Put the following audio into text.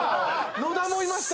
野田もいました